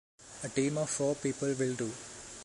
A team of four people will do.